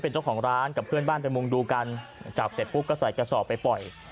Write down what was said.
เป็นเจ้าของร้านกับเพื่อนบ้านไปมุงดูกันจับเสร็จปุ๊บก็ใส่กระสอบไปปล่อย